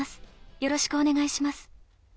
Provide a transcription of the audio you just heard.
よろしくお願いします